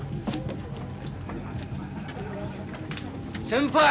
先輩！